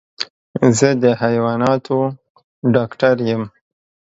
زه د حيواناتو ډاکټر يم.